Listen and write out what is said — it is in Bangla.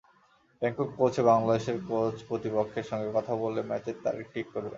ব্যাংকক পৌঁছে বাংলাদেশের কোচ প্রতিপক্ষের সঙ্গে কথা বলে ম্যাচের তারিখ ঠিক করবেন।